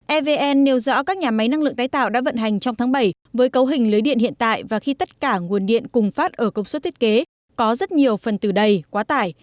evn nêu rõ các nhà máy năng lượng tái tạo đã vận hành trong tháng bảy với cấu hình lưới điện hiện tại và khi tất cả nguồn điện cùng phát ở công suất thiết kế có rất nhiều phần từ đầy quá tải